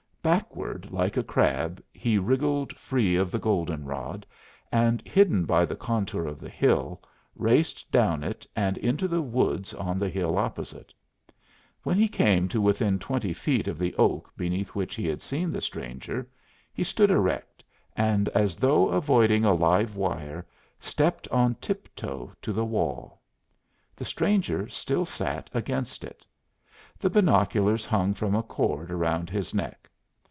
Backward, like a crab he wriggled free of the goldenrod, and hidden by the contour of the hill, raced down it and into the woods on the hill opposite. When he came to within twenty feet of the oak beneath which he had seen the stranger, he stood erect, and as though avoiding a live wire, stepped on tiptoe to the wall. The stranger still sat against it. The binoculars hung from a cord around his neck.